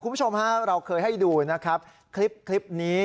คุณผู้ชมเราเคยให้ดูคลิปนี้